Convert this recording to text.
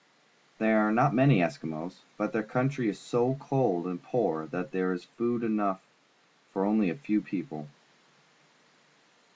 There are not many Eskimos, because their country is so cold and poor that there is food enough for only a few people.